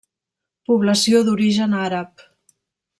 Població d'origen àrab.